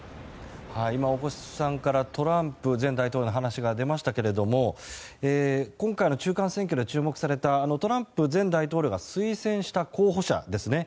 今、大越さんからトランプ前大統領の話が出ましたけれども今回の中間選挙で注目されたトランプ前大統領が推薦した候補者ですね。